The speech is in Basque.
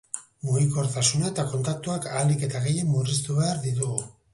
Mugikortasuna eta kontaktuak ahalik eta gehien murriztu behar ditugu.